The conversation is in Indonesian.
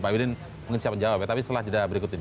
pak wadidin mengetahui jawabnya tapi setelah jeda berikut ini